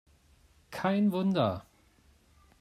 Kein Wunder!